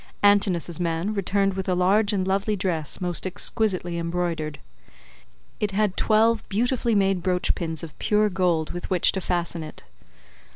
Antinous's man returned with a large and lovely dress most exquisitely embroidered. It had twelve beautifully made brooch pins of pure gold with which to fasten it.